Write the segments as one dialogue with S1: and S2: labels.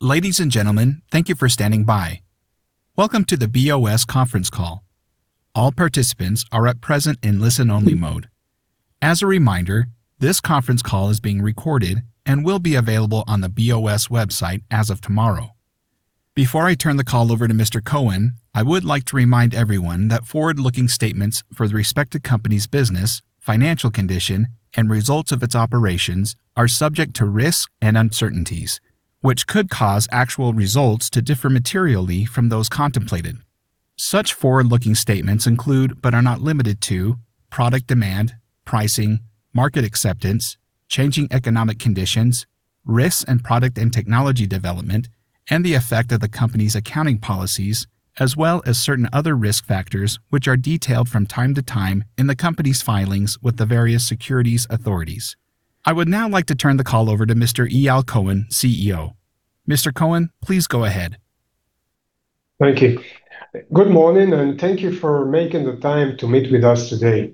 S1: Ladies and gentlemen, thank you for standing by. Welcome to the B.O.S. Conference Call. All participants are at present in listen-only mode. As a reminder, this conference call is being recorded and will be available on the B.O.S. website as of tomorrow. Before I turn the call over to Mr. Cohen, I would like to remind everyone that forward-looking statements for the respective company's business, financial condition, and results of its operations are subject to risk and uncertainties, which could cause actual results to differ materially from those contemplated. Such forward-looking statements include, but are not limited to, product demand, pricing, market acceptance, changing economic conditions, risks in product and technology development, and the effect of the company's accounting policies, as well as certain other risk factors which are detailed from time to time in the company's filings with the various securities authorities. I would now like to turn the call over to Mr. Eyal Cohen, CEO. Mr. Cohen, please go ahead.
S2: Thank you. Good morning, and thank you for making the time to meet with us today.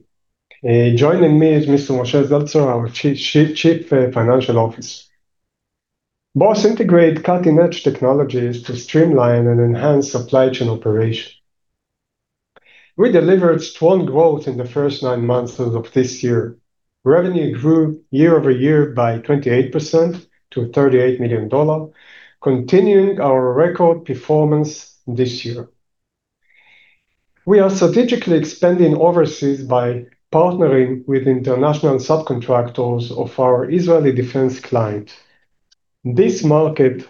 S2: Joining me is Mr. Moshe Zeltzer, our Chief Financial Officer. B.O.S. integrates cutting-edge technologies to streamline and enhance supply chain operations. We delivered strong growth in the first nine months of this year. Revenue grew year over year by 28% to $38 million, continuing our record performance this year. We are strategically expanding overseas by partnering with international subcontractors of our Israeli defense client. These markets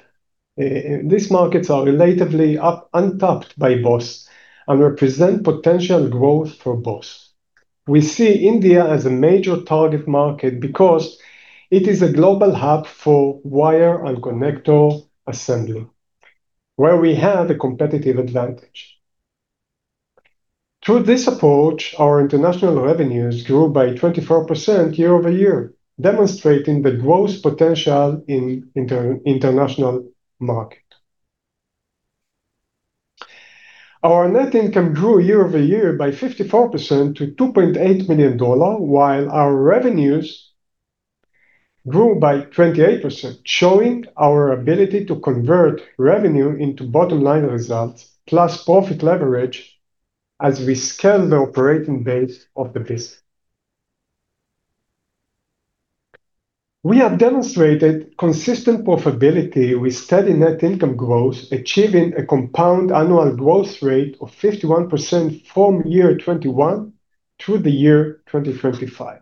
S2: are relatively untapped by B.O.S. and represent potential growth for B.O.S. We see India as a major target market because it is a global hub for wire and connector assembly, where we have a competitive advantage. Through this approach, our international revenues grew by 24% year over year, demonstrating the growth potential in the international market. Our net income grew year over year by 54% to $2.8 million, while our revenues grew by 28%, showing our ability to convert revenue into bottom-line results, plus profit leverage, as we scale the operating base of the business. We have demonstrated consistent profitability with steady net income growth, achieving a compound annual growth rate of 51% from year 2021 through the year 2025.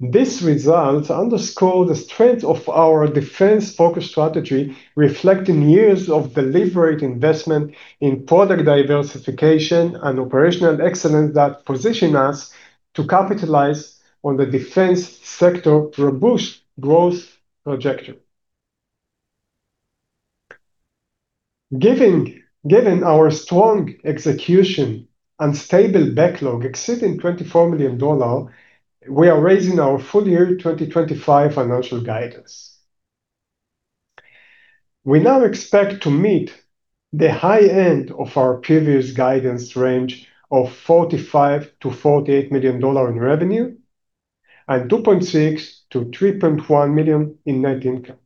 S2: These results underscore the strength of our defense-focused strategy, reflecting years of deliberate investment in product diversification and operational excellence that position us to capitalize on the defense sector's robust growth trajectory. Given our strong execution and stable backlog exceeding $24 million, we are raising our full-year 2025 financial guidance. We now expect to meet the high end of our previous guidance range of $45-$48 million in revenue and $2.6-$3.1 million in net income.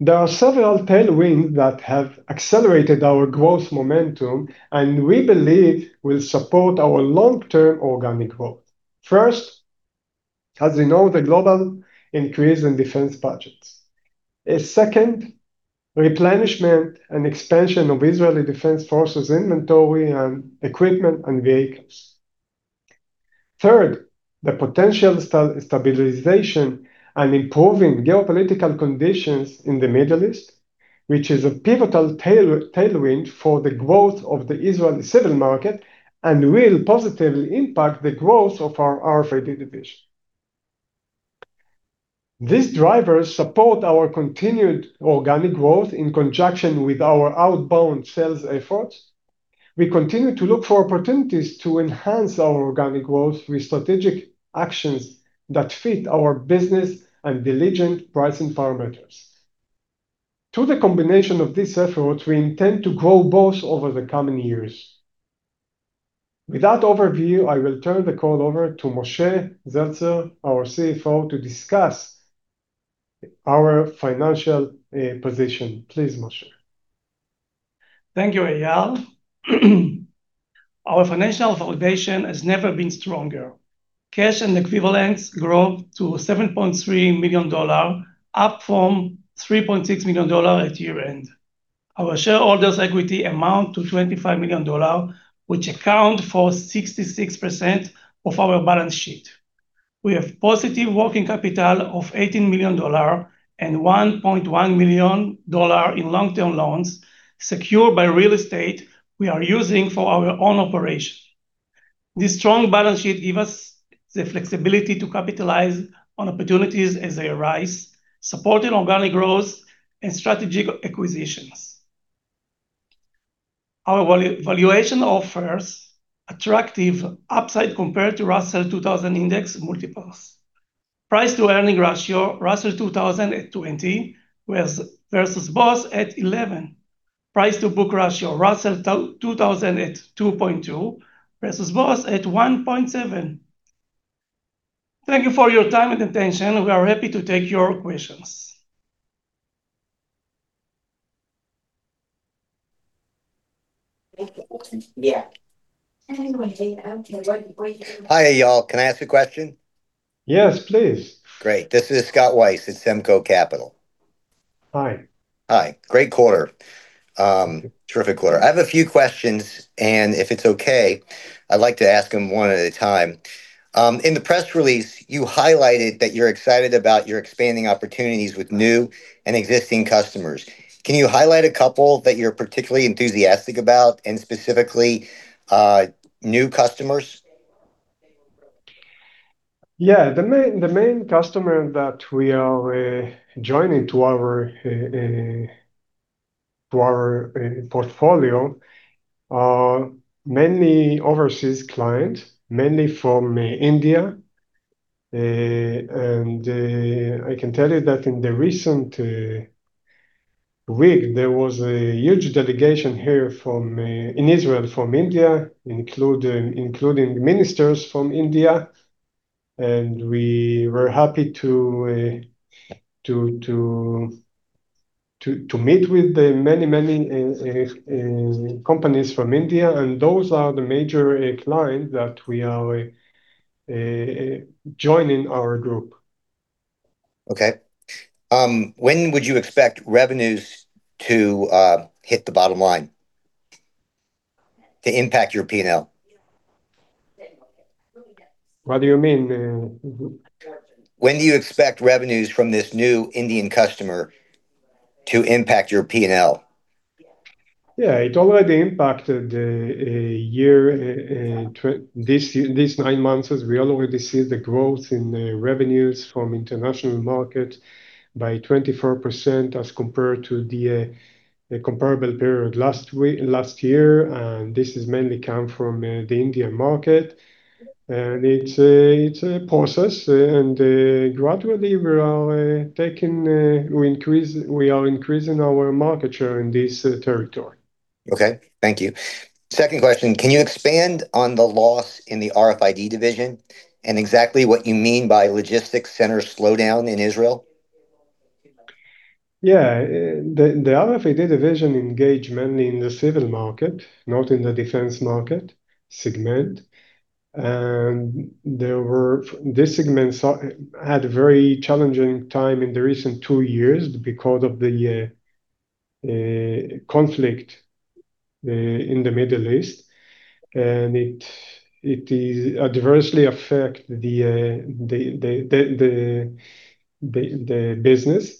S2: There are several tailwinds that have accelerated our growth momentum, and we believe will support our long-term organic growth. First, as you know, the global increase in defense budgets. Second, replenishment and expansion of Israeli defense forces' inventory and equipment and vehicles. Third, the potential stabilization and improving geopolitical conditions in the Middle East, which is a pivotal tailwind for the growth of the Israeli civil market and will positively impact the growth of our RFID Division. These drivers support our continued organic growth in conjunction with our outbound sales efforts. We continue to look for opportunities to enhance our organic growth with strategic actions that fit our business and diligent pricing parameters. Through the combination of these efforts, we intend to grow both over the coming years. With that overview, I will turn the call over to Moshe Zeltzer, our CFO, to discuss our financial position. Please, Moshe.
S3: Thank you, Eyal. Our financial valuation has never been stronger. Cash and equivalents grow to $7.3 million, up from $3.6 million at year-end. Our shareholders' equity amounts to $25 million, which accounts for 66% of our balance sheet. We have a positive working capital of $18 million and $1.1 million in long-term loans secured by real estate we are using for our own operations. This strong balance sheet gives us the flexibility to capitalize on opportunities as they arise, supporting organic growth and strategic acquisitions. Our valuation offers attractive upside compared to Russell 2000 index multiples. Price-to-earnings ratio: Russell 2000 at 20 versus B.O.S. at 11. Price-to-book ratio: Russell 2000 at 2.2 versus B.O.S. at 1.7. Thank you for your time and attention. We are happy to take your questions.
S4: Hi, Eyal. Can I ask a question?
S2: Yes, please.
S4: Great. This is Scott Weiss at Semco Capital.
S2: Hi.
S4: Hi. Great quarter. Terrific quarter. I have a few questions, and if it's okay, I'd like to ask them one at a time. In the press release, you highlighted that you're excited about your expanding opportunities with new and existing customers. Can you highlight a couple that you're particularly enthusiastic about, and specifically new customers?
S2: Yeah. The main customer that we are joining to our portfolio are mainly overseas clients, mainly from India. I can tell you that in the recent week, there was a huge delegation here in Israel from India, including ministers from India. We were happy to meet with many, many companies from India. Those are the major clients that we are joining our group.
S4: Okay. When would you expect revenues to hit the bottom line to impact your P&L?
S2: What do you mean?
S4: When do you expect revenues from this new Indian customer to impact your P&L?
S2: Yeah. It already impacted these nine months. We already see the growth in revenues from the international market by 24% as compared to the comparable period last year. This has mainly come from the Indian market. It's a process. Gradually, we are increasing our market share in this territory.
S4: Okay. Thank you. Second question. Can you expand on the loss in the RFID Division and exactly what you mean by logistics center slowdown in Israel?
S2: Yeah. The RFID Division engaged mainly in the civil market, not in the defense market segment. This segment had a very challenging time in the recent two years because of the conflict in the Middle East. It adversely affected the business.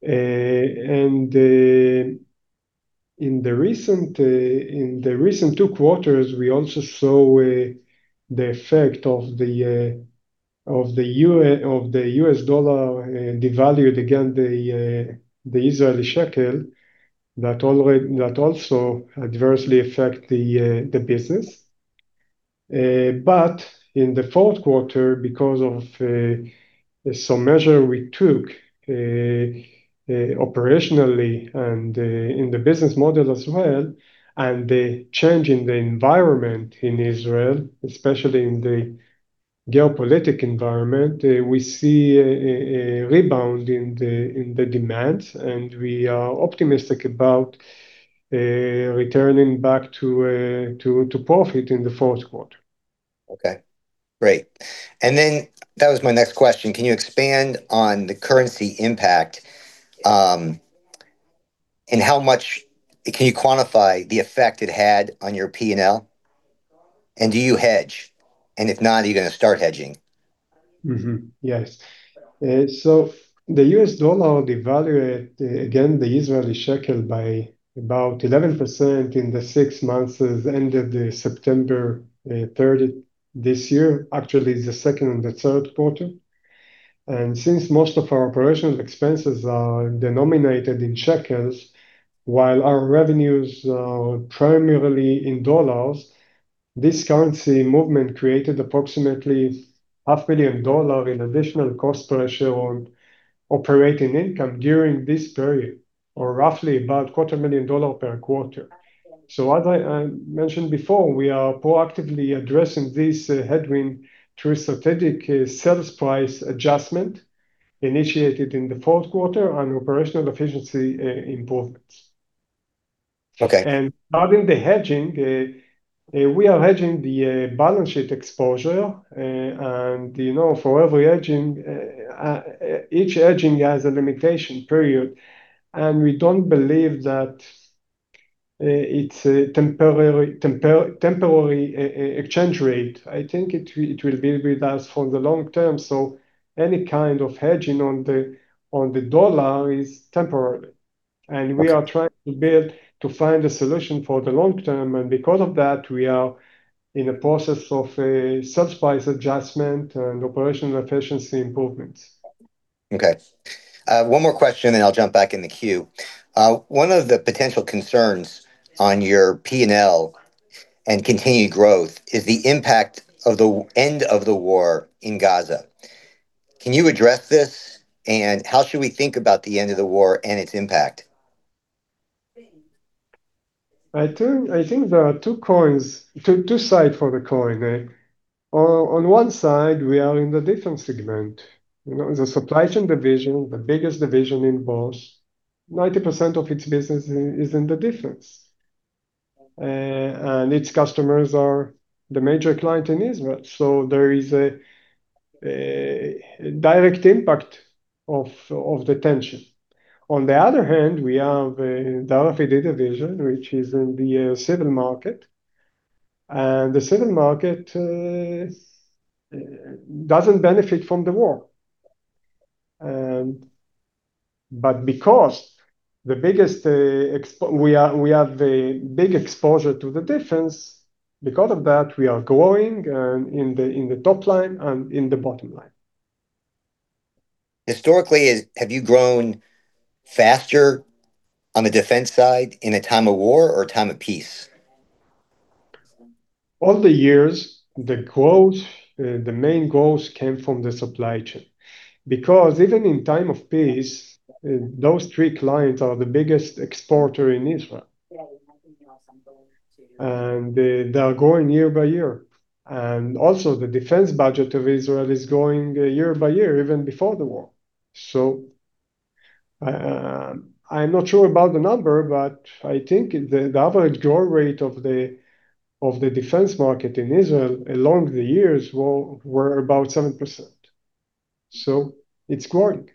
S2: In the recent two quarters, we also saw the effect of the US dollar devaluing against the Israeli shekel that also adversely affected the business. In the fourth quarter, because of some measures we took operationally and in the business model as well, and the change in the environment in Israel, especially in the geopolitical environment, we see a rebound in the demand. We are optimistic about returning back to profit in the fourth quarter.
S4: Okay. Great. That was my next question. Can you expand on the currency impact and how much can you quantify the effect it had on your P&L? Do you hedge? If not, are you going to start hedging?
S2: Yes. The US dollar devalued against the Israeli shekel by about 11% in the six months as ended September 30 this year, actually the second and the third quarter. Since most of our operational expenses are denominated in shekels, while our revenues are primarily in dollars, this currency movement created approximately $500,000 in additional cost pressure on operating income during this period, or roughly about $250,000 per quarter. As I mentioned before, we are proactively addressing this headwind through strategic sales price adjustment initiated in the fourth quarter and operational efficiency improvements. Regarding the hedging, we are hedging the balance sheet exposure. For every hedging, each hedging has a limitation period. We do not believe that it is a temporary exchange rate. I think it will be with us for the long term. Any kind of hedging on the dollar is temporary. We are trying to find a solution for the long term. Because of that, we are in the process of sales price adjustment and operational efficiency improvements.
S4: Okay. One more question, and I'll jump back in the queue. One of the potential concerns on your P&L and continued growth is the impact of the end of the war in Gaza. Can you address this? How should we think about the end of the war and its impact?
S2: I think there are two sides to the coin. On one side, we are in the defense segment. The Supply Chain Division, the biggest division in B.O.S., 90% of its business is in the defense. And its customers are the major client in Israel. There is a direct impact of the tension. On the other hand, we have the RFID Division, which is in the civil market. The civil market does not benefit from the war. Because we have a big exposure to the defense, because of that, we are growing in the top line and in the bottom line.
S4: Historically, have you grown faster on the defense side in a time of war or a time of peace?
S2: All the years, the main growth came from the supply chain. Because even in time of peace, those three clients are the biggest exporters in Israel. They are growing year by year. Also, the defense budget of Israel is growing year by year, even before the war. I'm not sure about the number, but I think the average growth rate of the defense market in Israel along the years was about 7%. It's growing.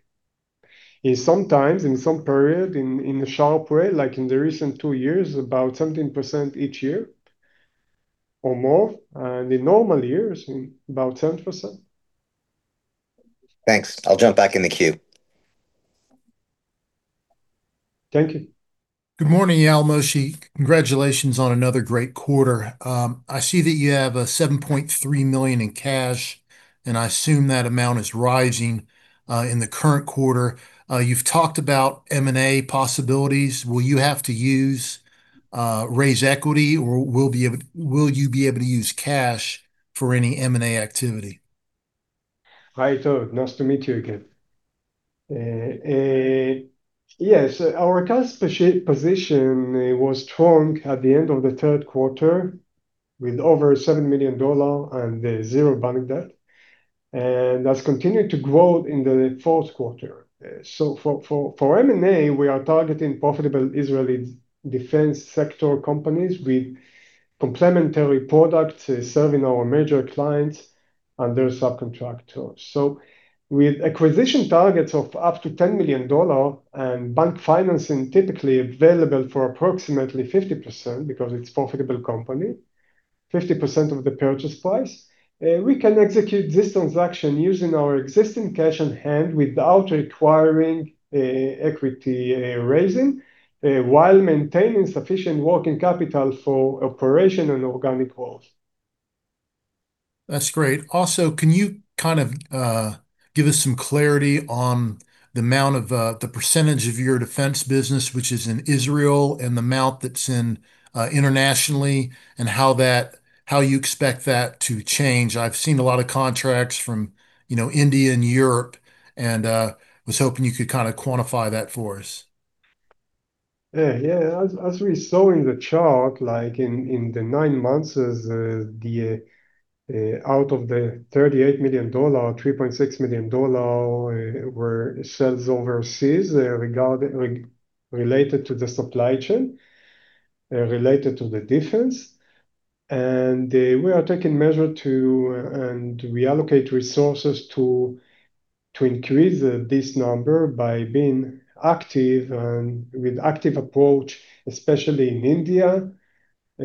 S2: Sometimes, in some period, in a sharp way, like in the recent two years, about 17% each year or more. In normal years, about 7%.
S4: Thanks. I'll jump back in the queue.
S2: Thank you.
S5: Good morning, Eyal, Moshe. Congratulations on another great quarter. I see that you have $7.3 million in cash, and I assume that amount is rising in the current quarter. You've talked about M&A possibilities. Will you have to raise equity, or will you be able to use cash for any M&A activity?
S2: Hi Todd. Nice to meet you again. Yes. Our current position was strong at the end of the third quarter with over $7 million and zero bank debt. That has continued to grow in the fourth quarter. For M&A, we are targeting profitable Israeli defense sector companies with complementary products serving our major clients and their subcontractors. With acquisition targets of up to $10 million and bank financing typically available for approximately 50% because it is a profitable company, 50% of the purchase price, we can execute this transaction using our existing cash on hand without requiring equity raising while maintaining sufficient working capital for operation and organic growth.
S5: That's great. Also, can you kind of give us some clarity on the amount of the percentage of your defense business, which is in Israel, and the amount that's in internationally, and how you expect that to change? I've seen a lot of contracts from India and Europe, and I was hoping you could kind of quantify that for us.
S2: Yeah. As we saw in the chart, in the nine months, out of the $38 million, $3.6 million were sales overseas related to the supply chain, related to the defense. We are taking measures to reallocate resources to increase this number by being active and with an active approach, especially in India,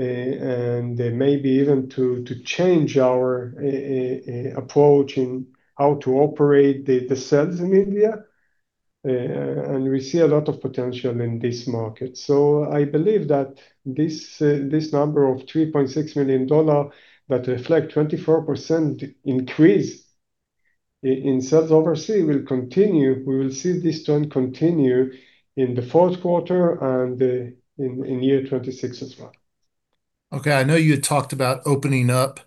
S2: and maybe even to change our approach in how to operate the sales in India. We see a lot of potential in this market. I believe that this number of $3.6 million that reflects a 24% increase in sales overseas will continue. We will see this trend continue in the fourth quarter and in year 2026 as well.
S5: Okay. I know you had talked about opening up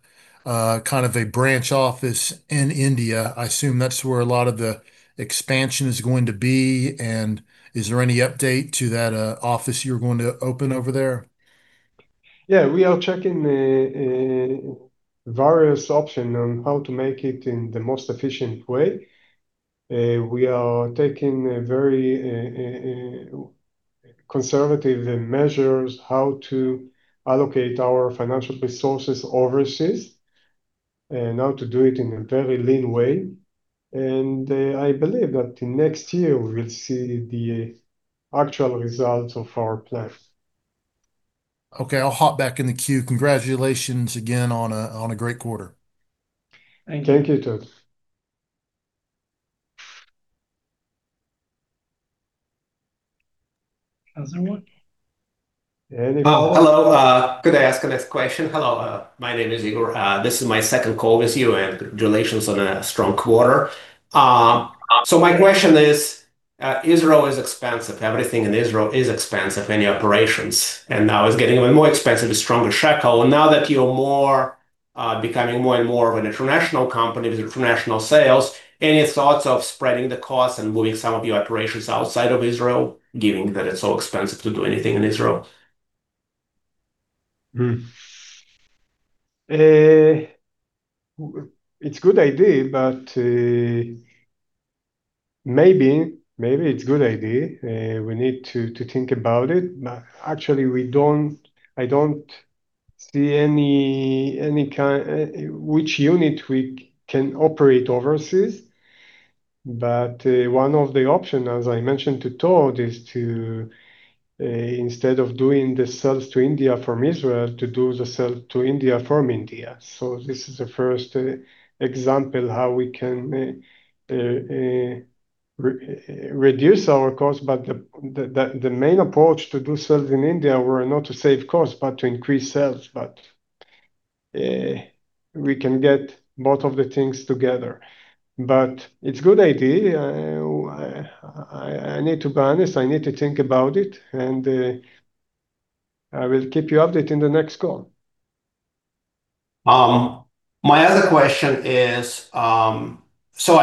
S5: kind of a branch office in India. I assume that's where a lot of the expansion is going to be. Is there any update to that office you're going to open over there?
S2: Yeah. We are checking various options on how to make it in the most efficient way. We are taking very conservative measures on how to allocate our financial resources overseas and how to do it in a very lean way. I believe that next year, we will see the actual results of our plan.
S5: Okay. I'll hop back in the queue. Congratulations again on a great quarter.
S2: Thank you. Thank you, Todd.
S5: Hello. Hello. Could I ask a quick question? Hello. My name is Igor. This is my second call with you, and congratulations on a strong quarter. My question is, Israel is expensive. Everything in Israel is expensive in the operations. Now it's getting even more expensive with stronger shekel. Now that you're becoming more and more of an international company with international sales, any thoughts of spreading the costs and moving some of your operations outside of Israel, given that it's so expensive to do anything in Israel?
S2: It's a good idea, but maybe it's a good idea. We need to think about it. Actually, I don't see which unit we can operate overseas. One of the options, as I mentioned to Todd, is to, instead of doing the sales to India from Israel, do the sales to India from India. This is the first example of how we can reduce our costs. The main approach to do sales in India was not to save costs, but to increase sales. We can get both of the things together. It's a good idea. I need to be honest. I need to think about it. I will keep you updated in the next call.
S4: My other question is, I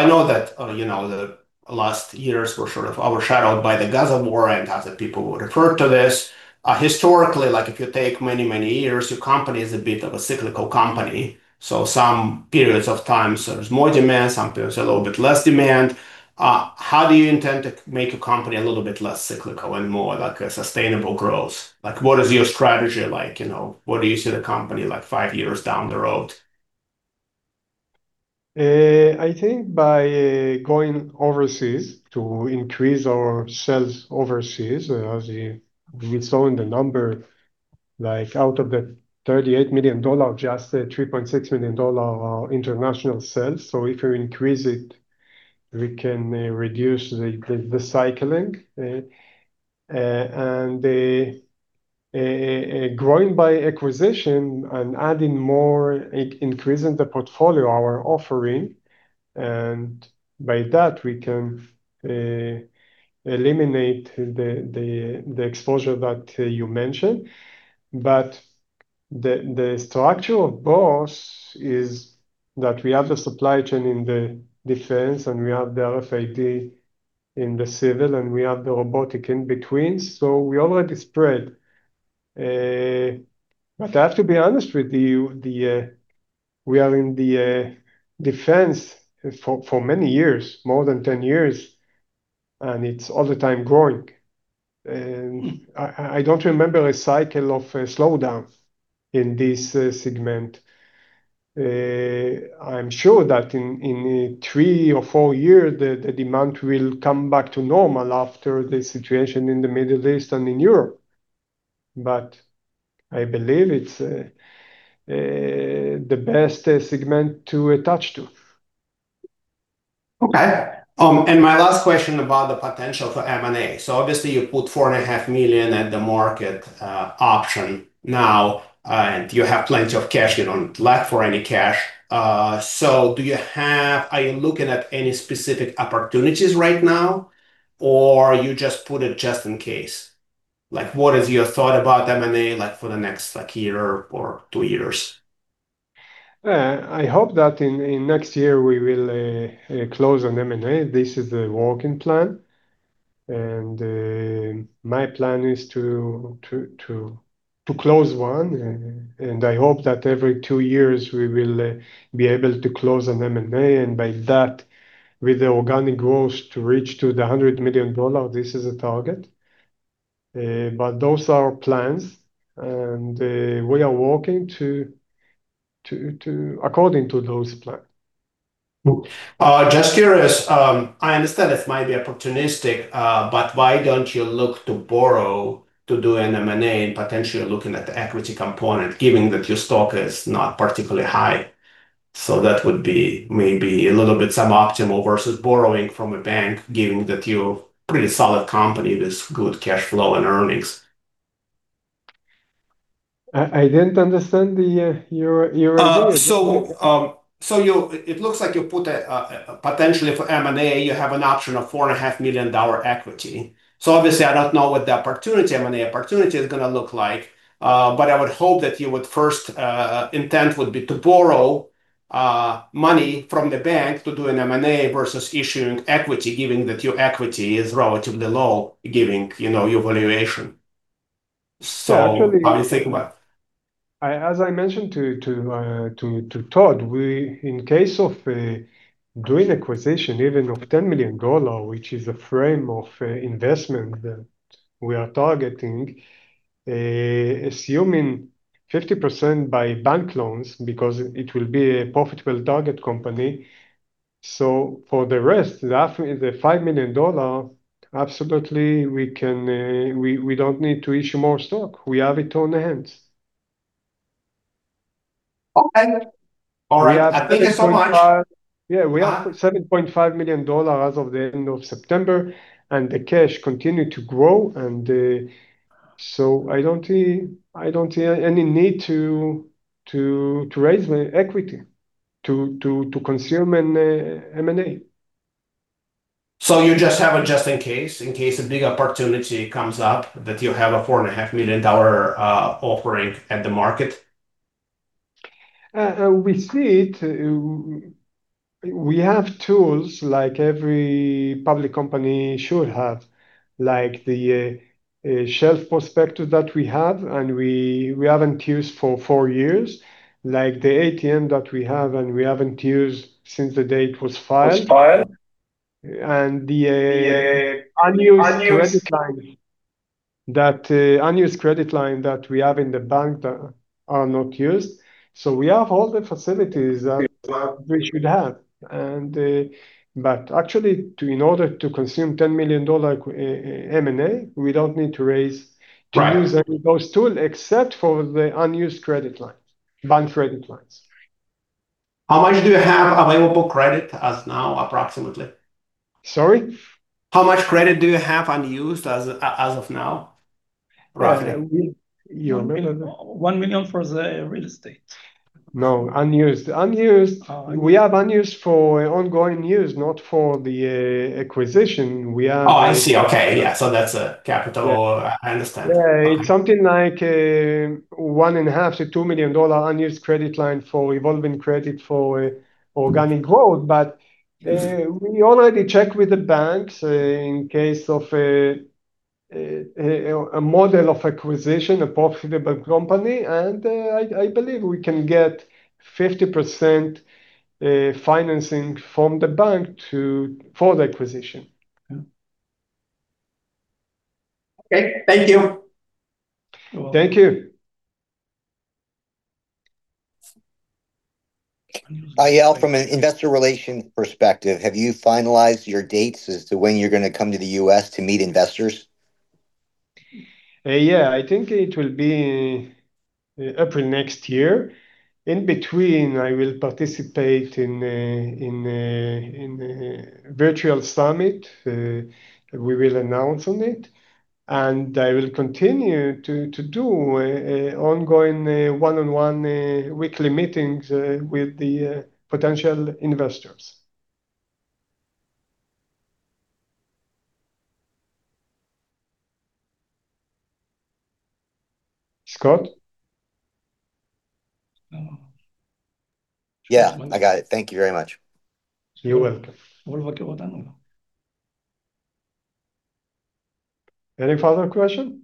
S4: know that the past years were sort of overshadowed by the Gaza war, and other people referred to this. Historically, if you take many, many years, your company is a bit of a cyclical company. Some periods of time, there is more demand. Some periods, there is a little bit less demand. How do you intend to make your company a little bit less cyclical and more sustainable growth? What is your strategy? What do you see the company like five years down the road?
S2: I think by going overseas to increase our sales overseas, as we saw in the number, out of the $38 million, just $3.6 million international sales. If we increase it, we can reduce the cycling. Growing by acquisition and adding more, increasing the portfolio we are offering. By that, we can eliminate the exposure that you mentioned. The structure of B.O.S. is that we have the Supply Chain Division in the defense, and we have the RFID Division in the civil, and we have the Robotic Division in between. We already spread. I have to be honest with you, we are in the defense for many years, more than 10 years, and it is all the time growing. I do not remember a cycle of slowdown in this segment. I'm sure that in three or four years, the demand will come back to normal after the situation in the Middle East and in Europe. I believe it's the best segment to attach to.
S4: Okay. My last question about the potential for M&A. Obviously, you put $4.5 million at the market option now, and you have plenty of cash. You do not lack for any cash. Are you looking at any specific opportunities right now, or did you just put it just in case? What is your thought about M&A for the next year or two years?
S2: I hope that in next year, we will close an M&A. This is the working plan. My plan is to close one. I hope that every two years, we will be able to close an M&A. By that, with the organic growth to reach to the $100 million, this is a target. Those are our plans. We are working according to those plans.
S4: Just curious, I understand it might be opportunistic, but why don't you look to borrow to do an M&A and potentially looking at the equity component, given that your stock is not particularly high? That would be maybe a little bit suboptimal versus borrowing from a bank, given that you're a pretty solid company with good cash flow and earnings.
S2: I didn't understand your question.
S4: It looks like you put a potentially for M&A, you have an option of $4.5 million equity. Obviously, I do not know what the M&A opportunity is going to look like. I would hope that your first intent would be to borrow money from the bank to do an M&A versus issuing equity, given that your equity is relatively low, given your valuation. What are you thinking about?
S2: As I mentioned to Todd, in case of doing acquisition, even of $10 million, which is a frame of investment that we are targeting, assuming 50% by bank loans, because it will be a profitable target company. For the rest, the $5 million, absolutely, we do not need to issue more stock. We have it on hand.
S4: Okay. All right. Thank you so much.
S2: Yeah. We have $7.5 million as of the end of September, and the cash continues to grow. I don't see any need to raise my equity to consume an M&A.
S4: You just have it just in case, in case a big opportunity comes up that you have a $4.5 million offering at the market?
S2: We see it. We have tools like every public company should have, like the shelf prospectus that we have, and we have not used for four years, like the ATM that we have, and we have not used since the day it was filed.
S4: It was filed.
S2: The unused credit lines that we have in the bank are not used. We have all the facilities that we should have. Actually, in order to consume $10 million M&A, we do not need to raise to use any of those tools, except for the unused bank credit lines.
S4: How much do you have available credit as now, approximately?
S2: Sorry?
S4: How much credit do you have unused as of now?
S2: $1 million for the real estate. No, unused. We have unused for ongoing use, not for the acquisition.
S4: Oh, I see. Okay. Yeah. So that's a capital. I understand.
S2: Yeah. It's something like $1.5 million to $2 million unused credit line for evolving credit for organic growth. We already checked with the banks in case of a model of acquisition, a profitable company. I believe we can get 50% financing from the bank for the acquisition.
S4: Okay. Thank you.
S2: Thank you.
S3: Eyal, from an investor relations perspective, have you finalized your dates as to when you're going to come to the U.S. to meet investors?
S2: Yeah. I think it will be April next year. In between, I will participate in a virtual summit. We will announce on it. I will continue to do ongoing one-on-one weekly meetings with the potential investors. Scott?
S3: Yeah. I got it. Thank you very much.
S2: You're welcome. Any further questions?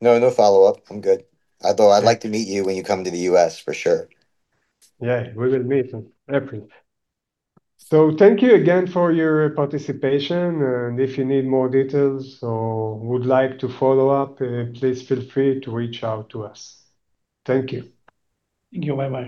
S3: No, no follow-up. I'm good. Although I'd like to meet you when you come to the US, for sure.
S2: Yeah. We will meet in April. Thank you again for your participation. If you need more details or would like to follow up, please feel free to reach out to us. Thank you.
S5: Thank you. Bye-bye.